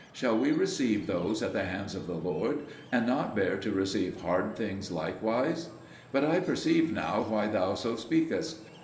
Shall we receive those at the hands of the Lord, and not bear to receive hard things likewise? But I perceive now why thou so speakest.